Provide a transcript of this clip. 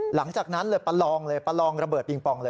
หลังจากนั้นเลยประลองเลยประลองระเบิดปิงปองเลย